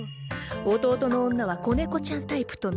弟の女は子猫ちゃんタイプと見た